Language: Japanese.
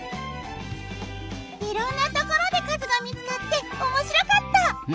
いろんなところでかずがみつかっておもしろかった！